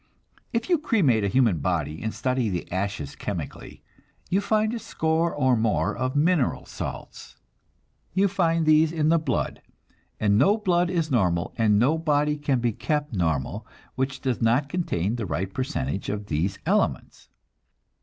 If you cremate a human body and study the ashes chemically, you find a score or more of mineral salts. You find these in the blood, and no blood is normal and no body can be kept normal which does not contain the right percentage of these elements.